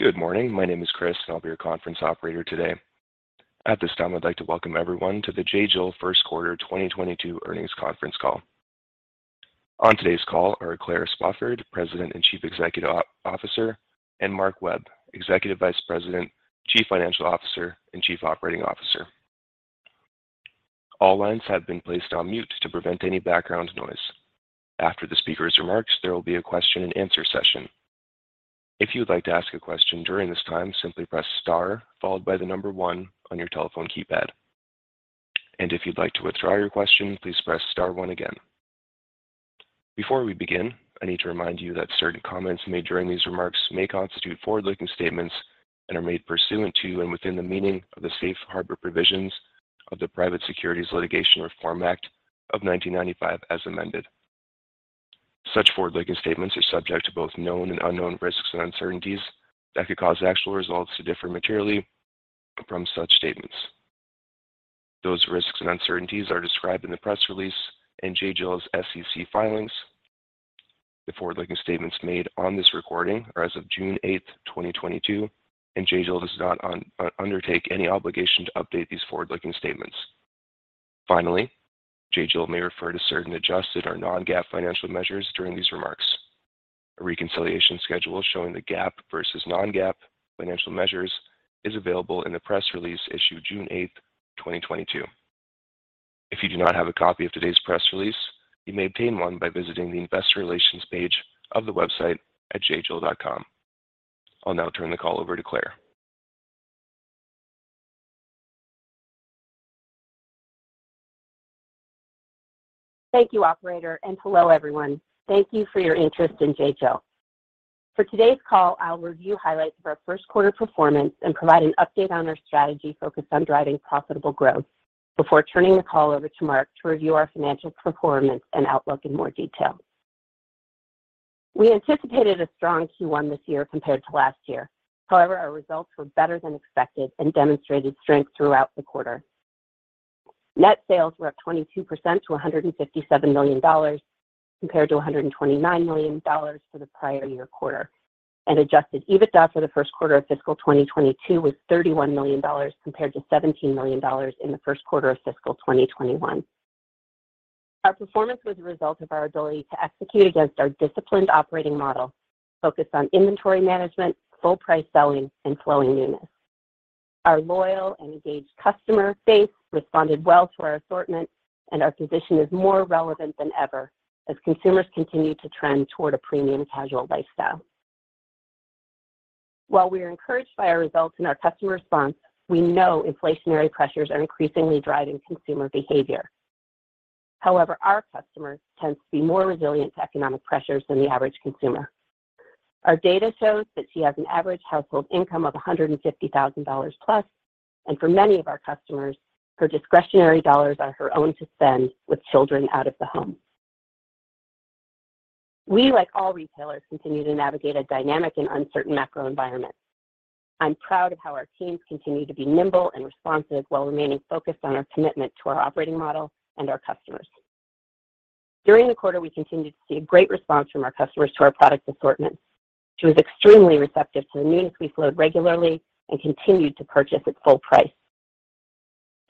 Good morning. My name is Chris, and I'll be your conference operator today. At this time, I'd like to welcome everyone to the J.Jill First Quarter 2022 Earnings Conference Call. On today's call are Claire Spofford, President and Chief Executive Officer, and Mark Webb, Executive Vice President, Chief Financial Officer, and Chief Operating Officer. All lines have been placed on mute to prevent any background noise. After the speaker's remarks, there will be a question-and-answer session. If you would like to ask a question during this time, simply press star followed by the number one on your telephone keypad. If you'd like to withdraw your question, please press star one again. Before we begin, I need to remind you that certain comments made during these remarks may constitute forward-looking statements and are made pursuant to and within the meaning of the Safe Harbor provisions of the Private Securities Litigation Reform Act of 1995 as amended. Such forward-looking statements are subject to both known and unknown risks and uncertainties that could cause actual results to differ materially from such statements. Those risks and uncertainties are described in the press release in J.Jill's SEC filings. The forward-looking statements made on this recording are as of June 8, 2022, and J.Jill does not undertake any obligation to update these forward-looking statements. Finally, J.Jill may refer to certain adjusted or non-GAAP financial measures during these remarks. A reconciliation schedule showing the GAAP versus non-GAAP financial measures is available in the press release issued June 8, 2022. If you do not have a copy of today's press release, you may obtain one by visiting the investor relations page of the website at jjill.com. I'll now turn the call over to Claire. Thank you, operator, and hello, everyone. Thank you for your interest in J.Jill. For today's call, I'll review highlights of our first quarter performance and provide an update on our strategy focused on driving profitable growth before turning the call over to Mark to review our financial performance and outlook in more detail. We anticipated a strong Q1 this year compared to last year. However, our results were better than expected and demonstrated strength throughout the quarter. Net sales were up 22% to $157 million, compared to $129 million for the prior year quarter. Adjusted EBITDA for the first quarter of fiscal 2022 was $31 million, compared to $17 million in the first quarter of fiscal 2021. Our performance was a result of our ability to execute against our disciplined operating model, focused on inventory management, full price selling, and flowing newness. Our loyal and engaged customer base responded well to our assortment, and our position is more relevant than ever as consumers continue to trend toward a premium casual lifestyle. While we are encouraged by our results and our customer response, we know inflationary pressures are increasingly driving consumer behavior. However, our customers tends to be more resilient to economic pressures than the average consumer. Our data shows that she has an average household income of $150,000 plus, and for many of our customers, her discretionary dollars are her own to spend with children out of the home. We, like all retailers, continue to navigate a dynamic and uncertain macro environment. I'm proud of how our teams continue to be nimble and responsive while remaining focused on our commitment to our operating model and our customers. During the quarter, we continued to see a great response from our customers to our product assortment. She was extremely receptive to the newness we flowed regularly and continued to purchase at full price.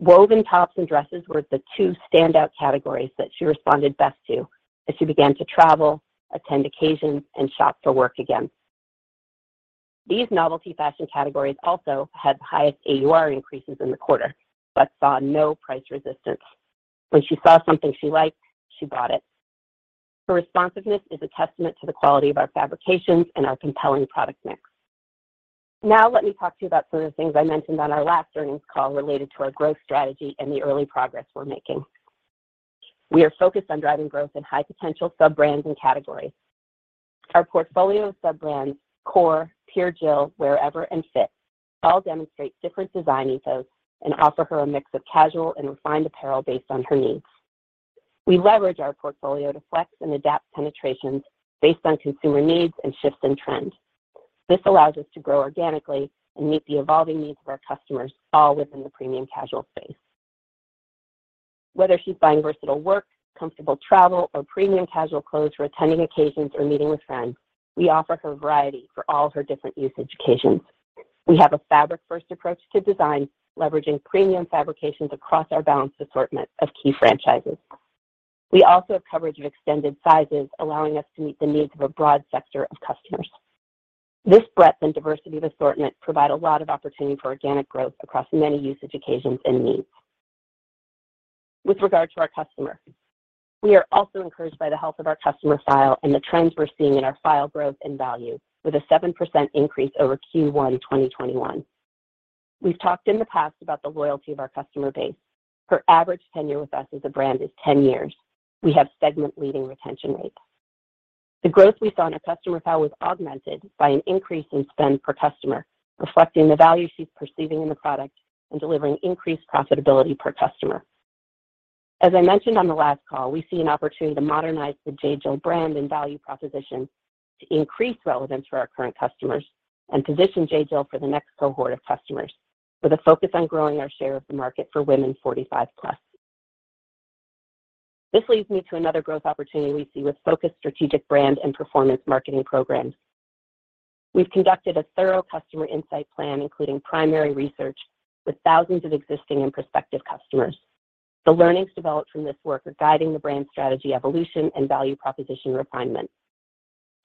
Woven tops and dresses were the two standout categories that she responded best to as she began to travel, attend occasions, and shop for work again. These novelty fashion categories also had the highest AUR increases in the quarter but saw no price resistance. When she saw something she liked, she bought it. Her responsiveness is a testament to the quality of our fabrications and our compelling product mix. Now let me talk to you about some of the things I mentioned on our last earnings call related to our growth strategy and the early progress we're making. We are focused on driving growth in high-potential sub-brands and categories. Our portfolio of sub-brands, Core, Pure Jill, Wearever, and Fit, all demonstrate different design ethos and offer her a mix of casual and refined apparel based on her needs. We leverage our portfolio to flex and adapt penetrations based on consumer needs and shifts in trends. This allows us to grow organically and meet the evolving needs of our customers, all within the premium casual space. Whether she's buying versatile work, comfortable travel, or premium casual clothes for attending occasions or meeting with friends, we offer her variety for all of her different usage occasions. We have a fabric-first approach to design, leveraging premium fabrications across our balanced assortment of key franchises. We also have coverage of extended sizes, allowing us to meet the needs of a broad sector of customers. This breadth and diversity of assortment provide a lot of opportunity for organic growth across many usage occasions and needs. With regard to our customer, we are also encouraged by the health of our customer file and the trends we're seeing in our file growth and value, with a 7% increase over Q1 2021. We've talked in the past about the loyalty of our customer base. Her average tenure with us as a brand is 10 years. We have segment-leading retention rates. The growth we saw in our customer file was augmented by an increase in spend per customer, reflecting the value she's perceiving in the product and delivering increased profitability per customer. As I mentioned on the last call, we see an opportunity to modernize the J.Jill brand and value proposition to increase relevance for our current customers and position J.Jill for the next cohort of customers with a focus on growing our share of the market for women forty-five plus. This leads me to another growth opportunity we see with focused strategic brand and performance marketing programs. We've conducted a thorough customer insight plan, including primary research with thousands of existing and prospective customers. The learnings developed from this work are guiding the brand strategy evolution and value proposition refinement.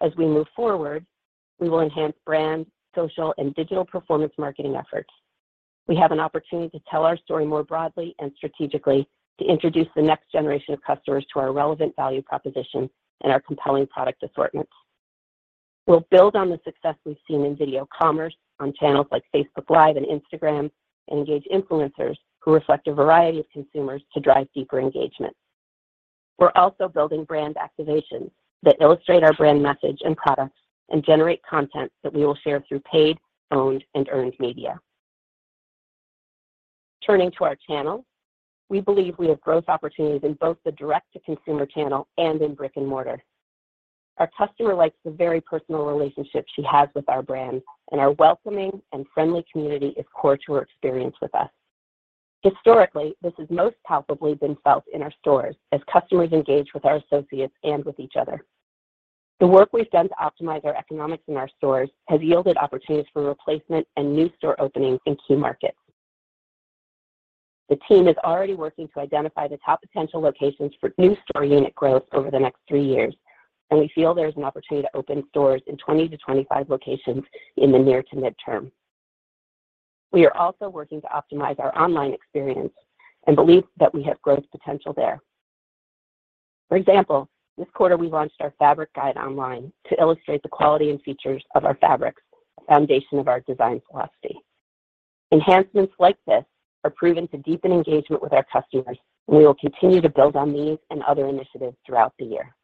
As we move forward, we will enhance brand, social, and digital performance marketing efforts. We have an opportunity to tell our story more broadly and strategically to introduce the next generation of customers to our relevant value proposition and our compelling product assortment. We'll build on the success we've seen in video commerce on channels like Facebook Live and Instagram, and engage influencers who reflect a variety of consumers to drive deeper engagement. We're also building brand activations that illustrate our brand message and products and generate content that we will share through paid, owned, and earned media. Turning to our channels, we believe we have growth opportunities in both the direct-to-consumer channel and in brick and mortar. Our customer likes the very personal relationship she has with our brand, and our welcoming and friendly community is core to her experience with us. Historically, this has most palpably been felt in our stores as customers engage with our associates and with each other. The work we've done to optimize our economics in our stores has yielded opportunities for replacement and new store openings in key markets. The team is already working to identify the top potential locations for new store unit growth over the next three years, and we feel there is an opportunity to open stores in 20-25 locations in the near to midterm. We are also working to optimize our online experience and believe that we have growth potential there. For example, this quarter, we launched our Fabric Guide online to illustrate the quality and features of our fabrics, a foundation of our design philosophy. Enhancements like this are proven to deepen engagement with our customers, and we will continue to build on these and other initiatives throughout the year.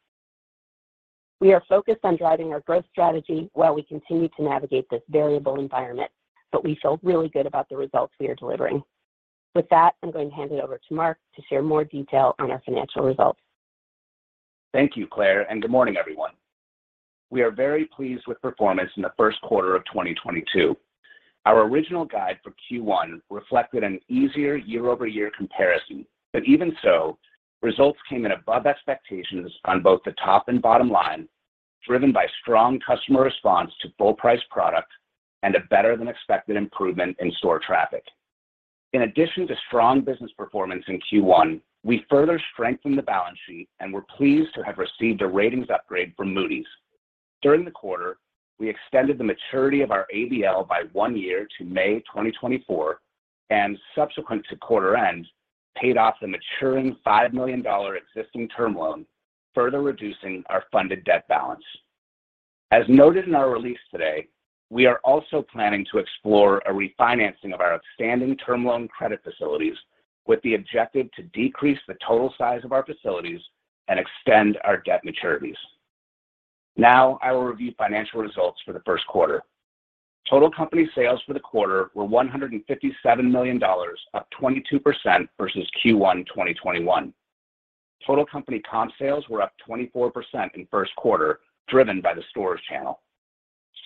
We are focused on driving our growth strategy while we continue to navigate this variable environment, but we feel really good about the results we are delivering. With that, I'm going to hand it over to Mark to share more detail on our financial results. Thank you, Claire, and good morning, everyone. We are very pleased with performance in the first quarter of 2022. Our original guide for Q1 reflected an easier year-over-year comparison, but even so, results came in above expectations on both the top and bottom line, driven by strong customer response to full price products and a better than expected improvement in store traffic. In addition to strong business performance in Q1, we further strengthened the balance sheet and were pleased to have received a ratings upgrade from Moody's. During the quarter, we extended the maturity of our ABL by one year to May 2024, and subsequent to quarter end, paid off the maturing $5 million existing term loan, further reducing our funded debt balance. As noted in our release today, we are also planning to explore a refinancing of our outstanding term loan credit facilities with the objective to decrease the total size of our facilities and extend our debt maturities. Now, I will review financial results for the first quarter. Total company sales for the quarter were $157 million, up 22% versus Q1 2021. Total company comp sales were up 24% in first quarter, driven by the stores channel.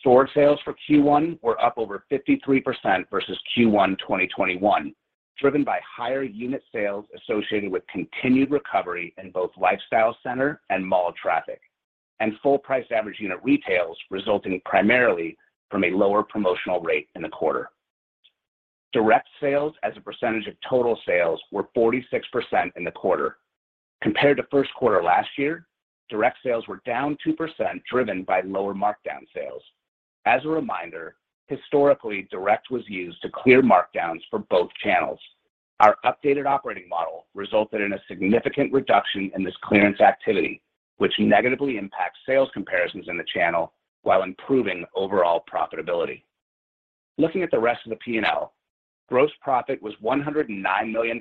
Store sales for Q1 were up over 53% versus Q1 2021, driven by higher unit sales associated with continued recovery in both lifestyle center and mall traffic, and full price average unit retails resulting primarily from a lower promotional rate in the quarter. Direct sales as a percentage of total sales were 46% in the quarter. Compared to first quarter last year, direct sales were down 2%, driven by lower markdown sales. As a reminder, historically, direct was used to clear markdowns for both channels. Our updated operating model resulted in a significant reduction in this clearance activity, which negatively impacts sales comparisons in the channel while improving overall profitability. Looking at the rest of the P&L, gross profit was $109 million,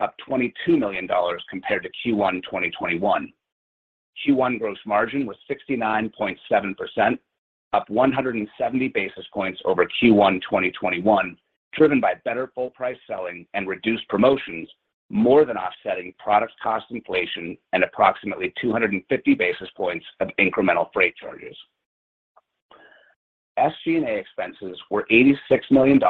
up $22 million compared to Q1 2021. Q1 gross margin was 69.7%, up 170 basis points over Q1 2021, driven by better full price selling and reduced promotions, more than offsetting product cost inflation and approximately 250 basis points of incremental freight charges. SG&A expenses were $86 million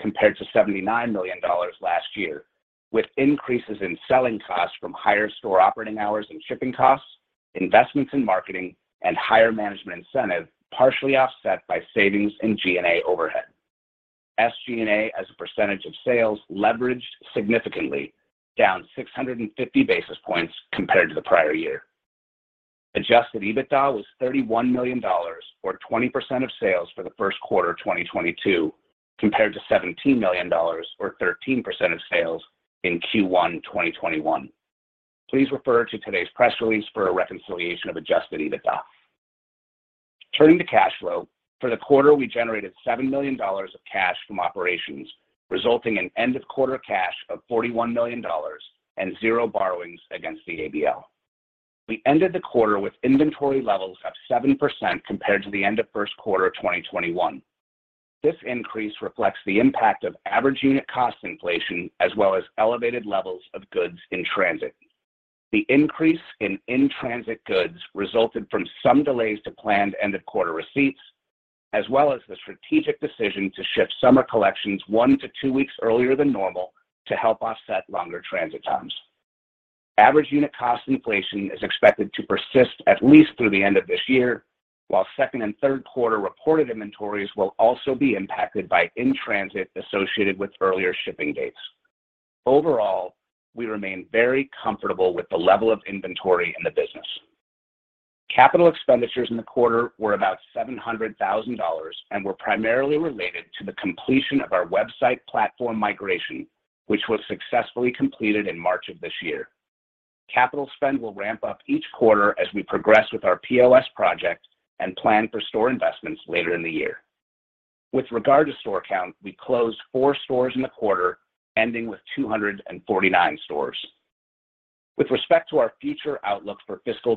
compared to $79 million last year, with increases in selling costs from higher store operating hours and shipping costs, investments in marketing and higher management incentive, partially offset by savings in G&A overhead. SG&A as a percentage of sales leveraged significantly, down 650 basis points compared to the prior year. Adjusted EBITDA was $31 million, or 20% of sales for the first quarter of 2022, compared to $17 million or 13% of sales in Q1 2021. Please refer to today's press release for a reconciliation of adjusted EBITDA. Turning to cash flow, for the quarter, we generated $7 million of cash from operations, resulting in end of quarter cash of $41 million and zero borrowings against the ABL. We ended the quarter with inventory levels up 7% compared to the end of first quarter of 2021. This increase reflects the impact of average unit cost inflation as well as elevated levels of goods in transit. The increase in in-transit goods resulted from some delays to planned end of quarter receipts. As well as the strategic decision to ship summer collections one to two weeks earlier than normal to help offset longer transit times. Average unit cost inflation is expected to persist at least through the end of this year, while second and third quarter reported inventories will also be impacted by in-transit, associated with earlier shipping dates. Overall, we remain very comfortable with the level of inventory in the business. Capital expenditures in the quarter were about $700,000 and were primarily related to the completion of our website platform migration, which was successfully completed in March of this year. Capital spend will ramp up each quarter as we progress with our POS project and plan for store investments later in the year. With regard to store count, we closed four stores in the quarter, ending with 249 stores. With respect to our future outlook for fiscal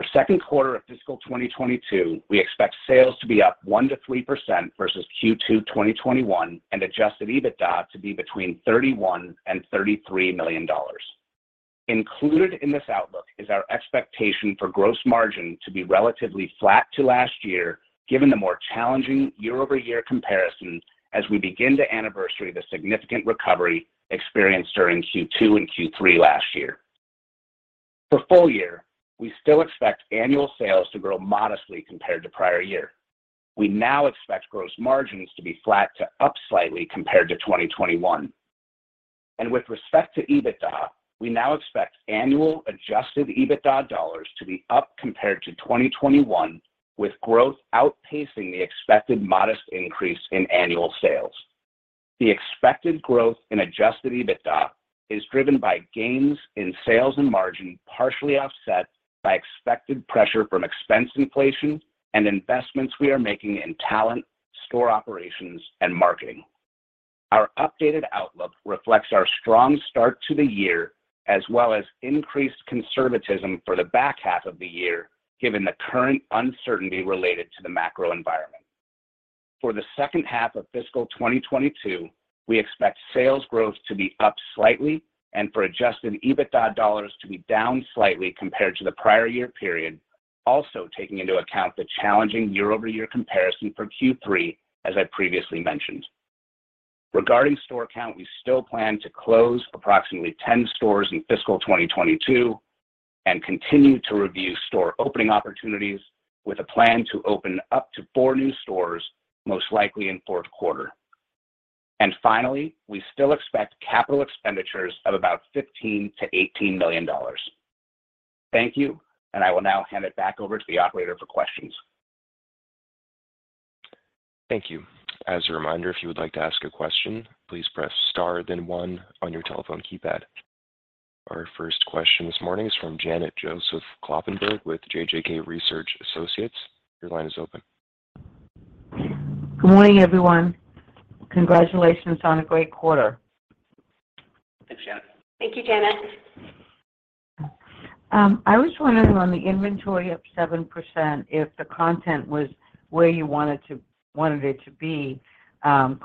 2022, for second quarter of fiscal 2022, we expect sales to be up 1%-3% versus Q2 2021 and Adjusted EBITDA to be between $31 million and $33 million. Included in this outlook is our expectation for gross margin to be relatively flat to last year, given the more challenging year-over-year comparison as we begin to anniversary the significant recovery experienced during Q2 and Q3 last year. For full year, we still expect annual sales to grow modestly compared to prior year. We now expect gross margins to be flat to up slightly compared to 2021. With respect to Adjusted EBITDA, we now expect annual adjusted EBITDA dollars to be up compared to 2021, with growth outpacing the expected modest increase in annual sales. The expected growth in Adjusted EBITDA is driven by gains in sales and margin, partially offset by expected pressure from expense inflation and investments we are making in talent, store operations, and marketing. Our updated outlook reflects our strong start to the year, as well as increased conservatism for the back half of the year, given the current uncertainty related to the macro environment. For the second half of fiscal 2022, we expect sales growth to be up slightly and for Adjusted EBITDA dollars to be down slightly compared to the prior year period, also taking into account the challenging year-over-year comparison for Q3, as I previously mentioned. Regarding store count, we still plan to close approximately 10 stores in fiscal 2022 and continue to review store opening opportunities with a plan to open up to four new stores, most likely in fourth quarter. Finally, we still expect capital expenditures of about $15 million-$18 million. Thank you, and I will now hand it back over to the operator for questions. Thank you. As a reminder, if you would like to ask a question, please press star then one on your telephone keypad. Our first question this morning is from Janet Kloppenburg with JJK Research. Your line is open. Good morning, everyone. Congratulations on a great quarter. Thanks, Janet. Thank you, Janet. I was wondering, on the inventory up 7%, if the content was where you wanted it to be,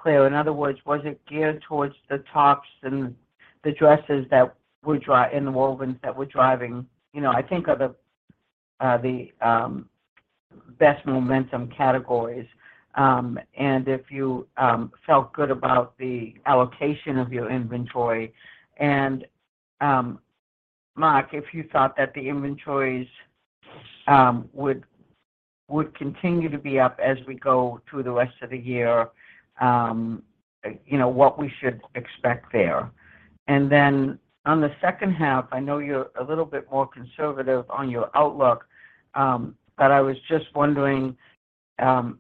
clear. In other words, was it geared towards the tops and the dresses and the wovens that were driving. You know, I think of the best momentum categories, and if you felt good about the allocation of your inventory. Mark, if you thought that the inventories would continue to be up as we go through the rest of the year, you know, what we should expect there. On the second half, I know you're a little bit more conservative on your outlook, but I was just wondering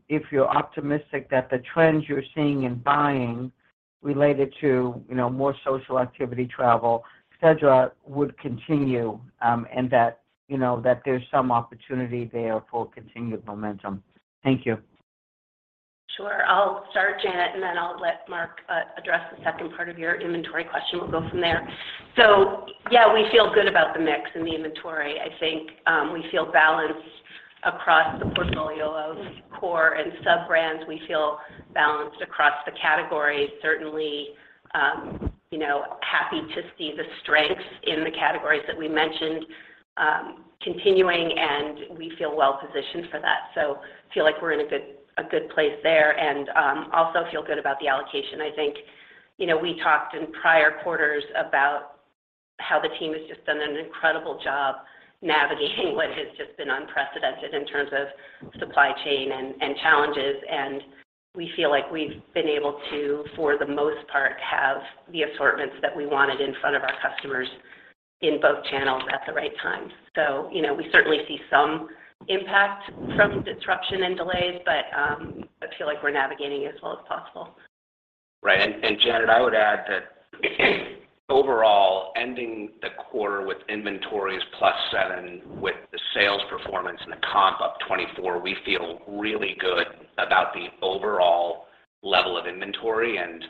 if you're optimistic that the trends you're seeing in buying related to, you know, more social activity, travel, et cetera, would continue, and that, you know, that there's some opportunity there for continued momentum. Thank you. Sure. I'll start, Janet, and then I'll let Mark address the second part of your inventory question. We'll go from there. Yeah, we feel good about the mix and the inventory. I think, we feel balanced across the portfolio of Core and sub-brands. We feel balanced across the categories. Certainly, you know, happy to see the strengths in the categories that we mentioned, continuing, and we feel well positioned for that. Feel like we're in a good place there and, also feel good about the allocation. I think, you know, we talked in prior quarters about how the team has just done an incredible job navigating what has just been unprecedented in terms of supply chain and challenges. We feel like we've been able to, for the most part, have the assortments that we wanted in front of our customers in both channels at the right time. You know, we certainly see some impact from disruption and delays, but I feel like we're navigating as well as possible. Right. Janet, I would add that overall, ending the quarter with inventories +7, with the sales performance and the comp up 24, we feel really good about the overall level of inventory and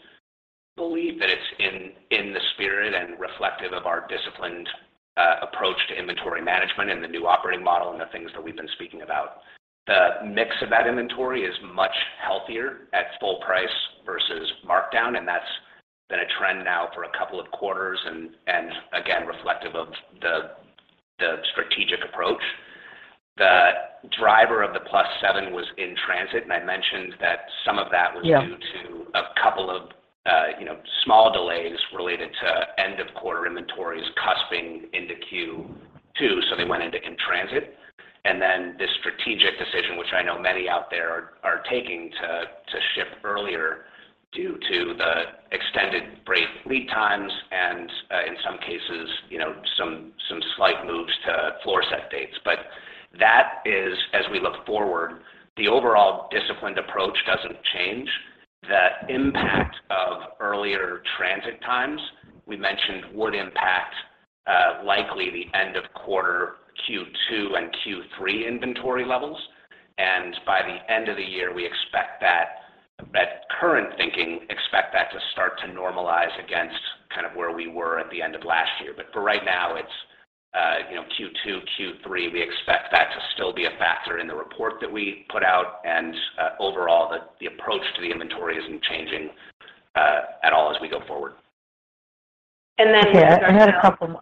believe that it's in the spirit and reflective of our disciplined approach to inventory management and the new operating model and the things that we've been speaking about. The mix of that inventory is much healthier at full price versus markdown, and that's been a trend now for a couple of quarters and again, reflective of the strategic approach. The driver of the +7 was in transit, and I mentioned that some of that was. Yeah Due to a couple of, you know, small delays related to end-of-quarter inventories cusping into Q2, so they went into in-transit. Then the strategic decision, which I know many out there are taking to ship earlier due to the extended freight lead times and, in some cases, you know, some slight moves to floor set dates. That is as we look forward, the overall disciplined approach doesn't change. The impact of earlier transit times, we mentioned would impact likely the end-of-quarter Q2 and Q3 inventory levels. By the end of the year, we expect that current thinking expect that to start to normalize against kind of where we were at the end of last year. For right now, it's, you know, Q2, Q3, we expect that to still be a factor in the report that we put out. Overall, the approach to the inventory isn't changing at all as we go forward. And then- Okay. I had a couple more.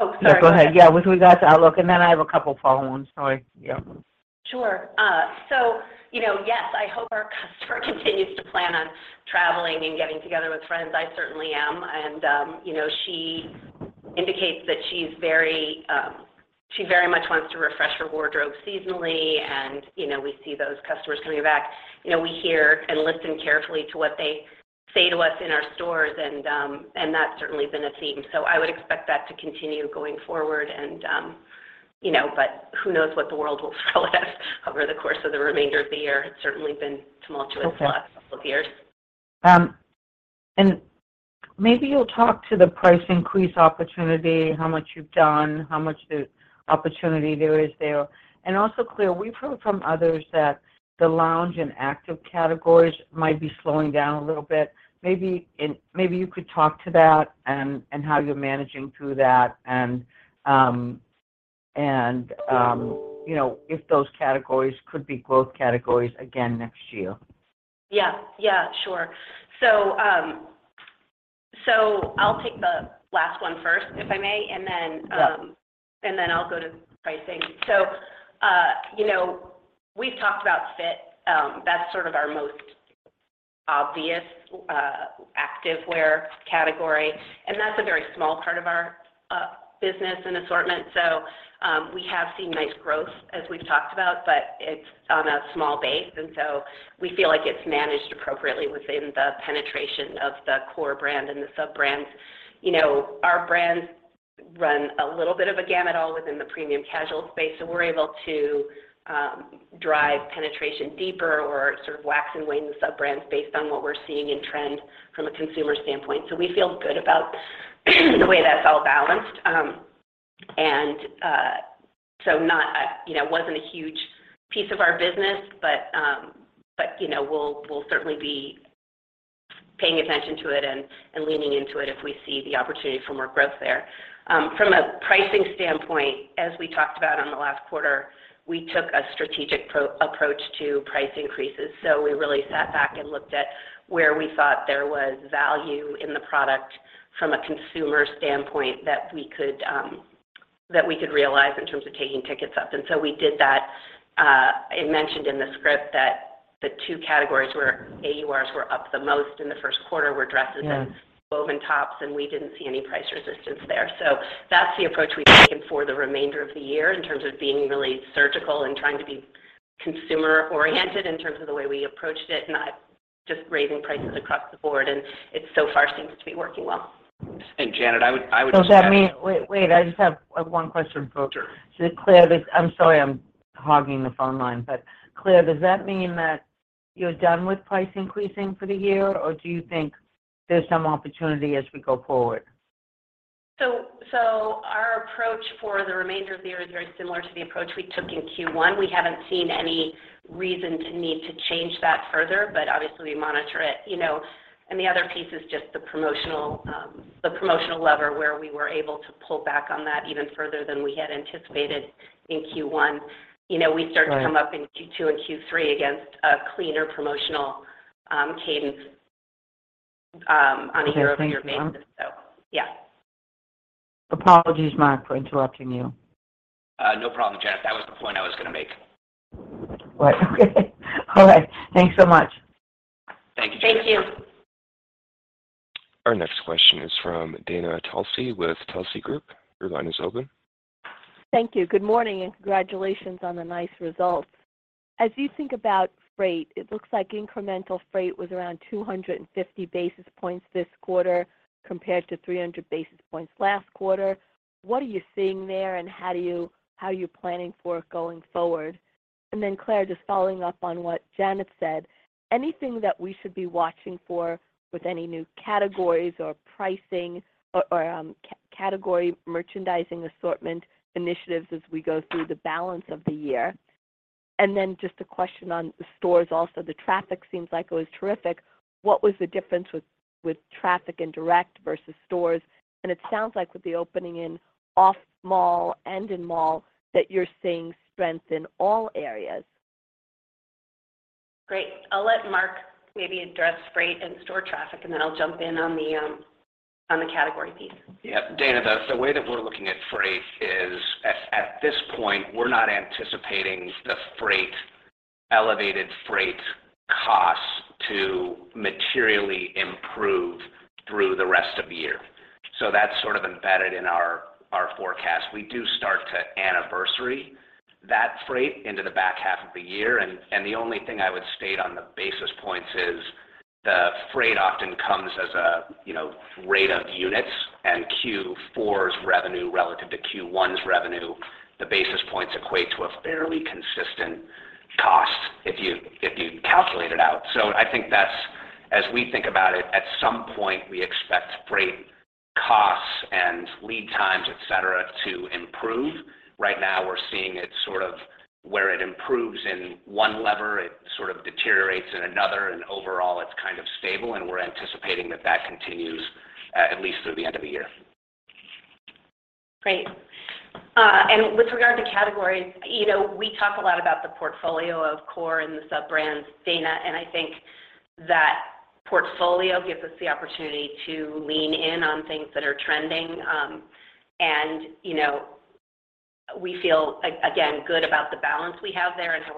Oh, sorry. No, go ahead. Yeah. With regards to outlook, and then I have a couple follow-ons. Yeah. Sure. So, you know, yes, I hope our customer continues to plan on traveling and getting together with friends. I certainly am. You know, she indicates that she very much wants to refresh her wardrobe seasonally, and, you know, we see those customers coming back. You know, we hear and listen carefully to what they say to us in our stores, and that's certainly been a theme. I would expect that to continue going forward, and, you know, but who knows what the world will throw at us over the course of the remainder of the year. It's certainly been tumultuous. Of what of years. Maybe you'll talk to the price increase opportunity, how much you've done, how much the opportunity there is there. Also, Claire, we've heard from others that the lounge and active categories might be slowing down a little bit. Maybe you could talk to that and how you're managing through that. You know, if those categories could be growth categories again next year. Yeah. Yeah. Sure. I'll take the last one first, if I may, and then, Yeah I'll go to pricing. You know, we've talked about Fit. That's sort of our most obvious activewear category, and that's a very small part of our business and assortment. We have seen nice growth as we've talked about, but it's on a small base, and so we feel like it's managed appropriately within the penetration of the Core brand and the sub-brands. You know, our brands run a little bit of a gamut all within the premium casual space, so we're able to drive penetration deeper or sort of wax and wane the sub-brands based on what we're seeing in trend from a consumer standpoint. We feel good about the way that's all balanced. Not, you know, wasn't a huge piece of our business, but, you know, we'll certainly be paying attention to it and leaning into it if we see the opportunity for more growth there. From a pricing standpoint, as we talked about on the last quarter, we took a strategic approach to price increases. We really sat back and looked at where we thought there was value in the product from a consumer standpoint that we could realize in terms of taking tickets up. We did that, and mentioned in the script that the two categories where AURs were up the most in the first quarter were dresses and Yeah Woven tops, and we didn't see any price resistance there. That's the approach we've taken for the remainder of the year in terms of being really surgical and trying to be consumer-oriented in terms of the way we approached it, not just raising prices across the board. It so far seems to be working well. Janet, I would. Wait, wait, I just have one question for- Sure. Claire. I'm sorry I'm hogging the phone line. Claire, does that mean that you're done with price increasing for the year, or do you think there's some opportunity as we go forward? Our approach for the remainder of the year is very similar to the approach we took in Q1. We haven't seen any reason to need to change that further, but obviously we monitor it, you know. The other piece is just the promotional lever, where we were able to pull back on that even further than we had anticipated in Q1. You know, we start to come up in Q2 and Q3 against a cleaner promotional cadence, on a year-over-year basis. Okay. Thank you. Yeah. Apologies, Mark, for interrupting you. No problem, Janet. That was the point I was gonna make. Right. All right. Thanks so much. Thank you, Janet. Thank you. Our next question is from Dana Telsey with Telsey Advisory Group. Your line is open. Thank you. Good morning, and congratulations on the nice results. As you think about freight, it looks like incremental freight was around 250 basis points this quarter compared to 300 basis points last quarter. What are you seeing there, and how are you planning for it going forward? And then Claire, just following up on what Janet said, anything that we should be watching for with any new categories or pricing or, category merchandising assortment initiatives as we go through the balance of the year? And then Just a question on the stores also. The traffic seems like it was terrific. What was the difference with traffic and direct versus stores? It sounds like with the opening in off mall and in mall that you're seeing strength in all areas. Great. I'll let Mark maybe address freight and store traffic, and then I'll jump in on the category piece. Yeah. Dana, the way that we're looking at freight is at this point, we're not anticipating the elevated freight costs to materially improve through the rest of the year. That's sort of embedded in our forecast. We do start to anniversary that freight into the back half of the year, and the only thing I would state on the basis points is the freight often comes as a, you know, rate of units, and Q4's revenue relative to Q1's revenue, the basis points equate to a fairly consistent cost if you calculate it out. I think that's. As we think about it, at some point, we expect freight costs and lead times, et cetera, to improve. Right now, we're seeing it sort of where it improves in one lever, it sort of deteriorates in another, and overall, it's kind of stable, and we're anticipating that that continues at least through the end of the year. Great. With regard to categories, you know, we talk a lot about the portfolio of Core and the sub-brands, Dana, and I think that portfolio gives us the opportunity to lean in on things that are trending. You know, we feel again, good about the balance we have there and how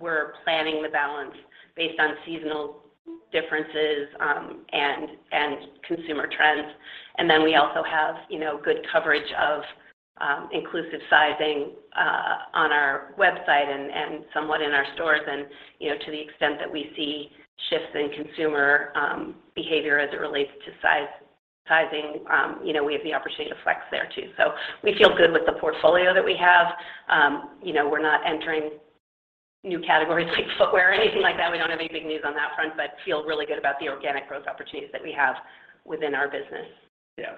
we're planning the balance based on seasonal differences, and consumer trends. We also have, you know, good coverage of inclusive sizing on our website and somewhat in our stores. You know, to the extent that we see shifts in consumer behavior as it relates to sizing, you know, we have the opportunity to flex there too. We feel good with the portfolio that we have. You know, we're not entering new categories like footwear or anything like that. We don't have any big news on that front, but feel really good about the organic growth opportunities that we have within our business. Yeah.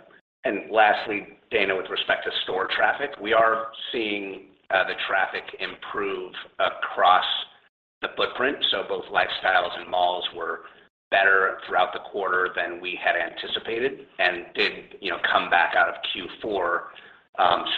Lastly, Dana, with respect to store traffic, we are seeing the traffic improve across the footprint. Both lifestyle centers and malls were better throughout the quarter than we had anticipated and did, you know, come back out of Q4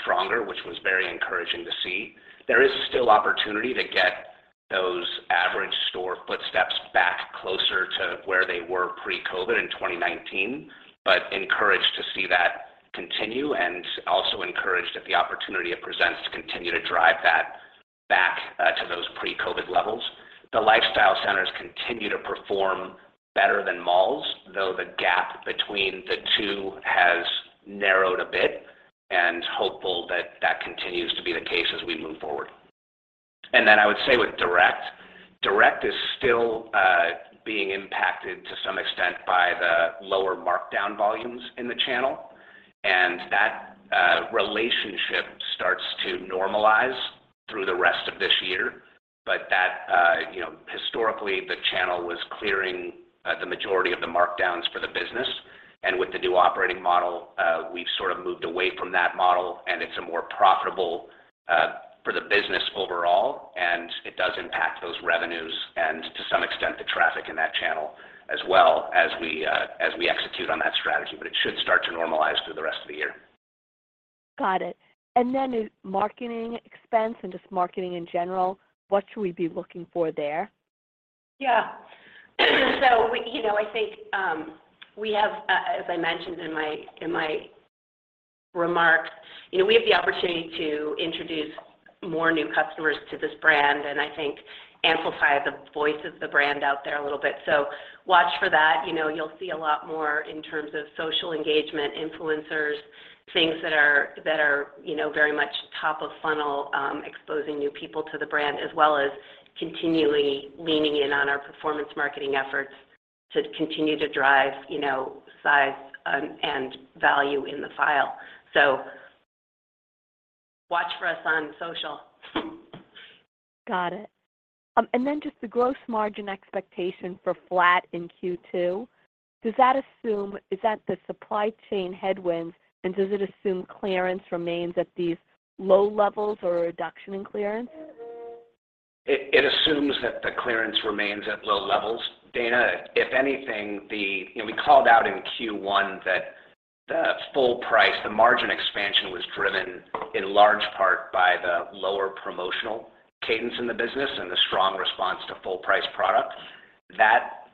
stronger, which was very encouraging to see. There is still opportunity to get those average store footsteps back closer to where they were pre-COVID in 2019, but encouraged to see that continue and also encouraged at the opportunity it presents to continue to drive that back to those pre-COVID levels. The lifestyle centers continue to perform better than malls, though the gap between the two has narrowed a bit and hopeful that that continues to be the case as we move forward. I would say with direct is still being impacted to some extent by the lower markdown volumes in the channel, and that relationship starts to normalize through the rest of this year. That you know, historically, the channel was clearing the majority of the markdowns for the business. With the new operating model, we've sort of moved away from that model, and it's a more profitable for the business overall, and it does impact those revenues and to some extent the traffic in that channel as well as we execute on that strategy. It should start to normalize through the rest of the year. Got it. In marketing expense and just marketing in general, what should we be looking for there? Yeah. You know, I think we have, as I mentioned in my remarks, you know, we have the opportunity to introduce more new customers to this brand, and I think amplify the voice of the brand out there a little bit. Watch for that. You know, you'll see a lot more in terms of social engagement, influencers, things that are, you know, very much top of funnel, exposing new people to the brand, as well as continually leaning in on our performance marketing efforts to continue to drive, you know, size, and value in the file. So Watch for us on social. Got it. Just the gross margin expectation for flat in Q2, does that assume the supply chain headwinds, and does it assume clearance remains at these low levels or a reduction in clearance? It assumes that the clearance remains at low levels. Dana, if anything, you know, we called out in Q1 that the full price, the margin expansion was driven in large part by the lower promotional cadence in the business and the strong response to full price product. That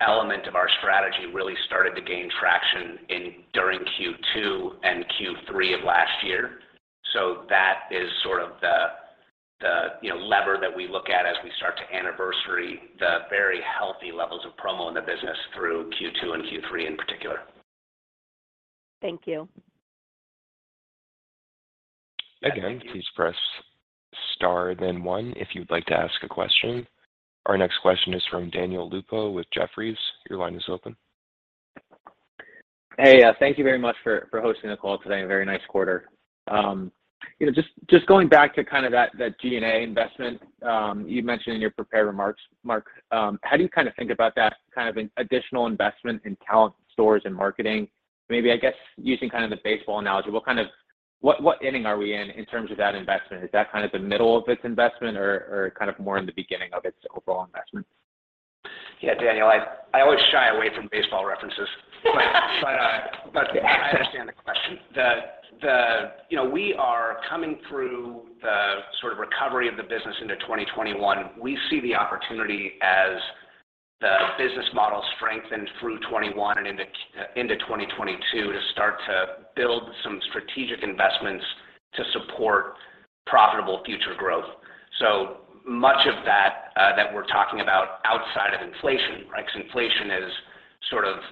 element of our strategy really started to gain traction during Q2 and Q3 of last year. That is sort of the, you know, lever that we look at as we start to anniversary the very healthy levels of promo in the business through Q2 and Q3 in particular. Thank you. Again, please press star then one if you'd like to ask a question. Our next question is from Daniel Lupo with Jefferies. Your line is open. Hey. Thank you very much for hosting the call today. A very nice quarter. You know, just going back to that G&A investment, you mentioned in your prepared remarks, Mark, how do you kind of think about that kind of an additional investment in talent, stores, and marketing? Maybe, I guess, using kind of the baseball analogy, what inning are we in in terms of that investment? Is that kind of the middle of its investment or kind of more in the beginning of its overall investment? Yeah, Daniel, I always shy away from baseball references. I understand the question. You know, we are coming through the sort of recovery of the business into 2021. We see the opportunity as the business model strengthened through 2021 and into 2022 to start to build some strategic investments to support profitable future growth. Much of that we're talking about outside of inflation, right? 'Cause inflation is sort of,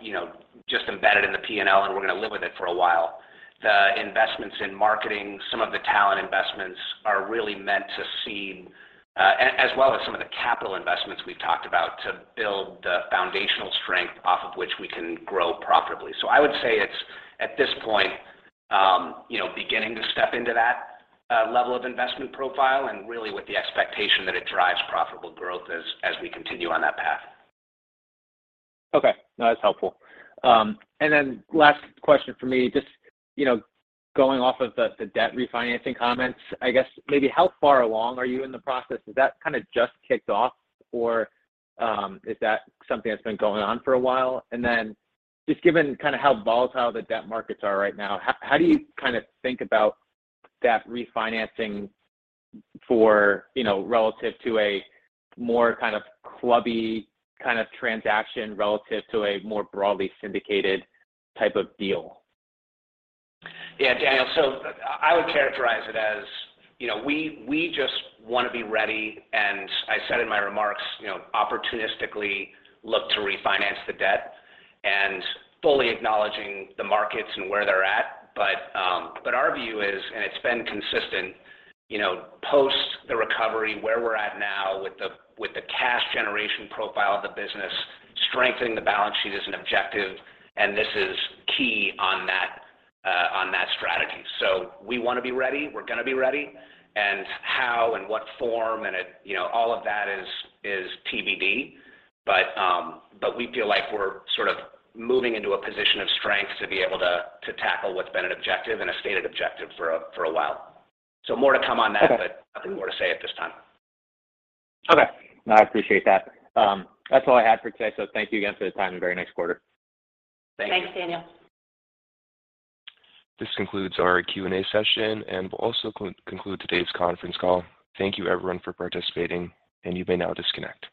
you know, just embedded in the P&L, and we're gonna live with it for a while. The investments in marketing, some of the talent investments are really meant to seed as well as some of the capital investments we've talked about to build the foundational strength off of which we can grow profitably. I would say it's at this point, you know, beginning to step into that level of investment profile and really with the expectation that it drives profitable growth as we continue on that path. Okay. No, that's helpful. Last question from me, just, you know, going off of the debt refinancing comments, I guess maybe how far along are you in the process? Has that kind of just kicked off or, is that something that's been going on for a while? Just given kind of how volatile the debt markets are right now, how do you kind of think about that refinancing for, you know, relative to a more kind of clubby kind of transaction relative to a more broadly syndicated type of deal? Yeah, Daniel. I would characterize it as, you know, we just wanna be ready, and I said in my remarks, you know, opportunistically look to refinance the debt and fully acknowledging the markets and where they're at. Our view is, and it's been consistent, you know, post the recovery, where we're at now with the cash generation profile of the business, strengthening the balance sheet is an objective, and this is key on that strategy. We wanna be ready, we're gonna be ready. How and what form and it, you know, all of that is TBD. We feel like we're sort of moving into a position of strength to be able to tackle what's been an objective and a stated objective for a while. More to come on that. Okay. Nothing more to say at this time. Okay. No, I appreciate that. That's all I had for today. Thank you again for the time and very nice quarter. Thank you. Thanks, Daniel. This concludes our Q&A session, and we'll also conclude today's conference call. Thank you everyone for participating, and you may now disconnect.